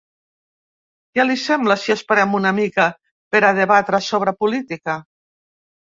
Què li sembla si esperem una mica per a debatre sobre política?